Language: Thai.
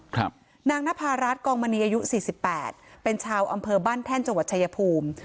นางนภารัฐกองมณีอายุสี่สิบแปดเป็นชาวอำเภอบ้านแท่นจังหวัดชายภูมิ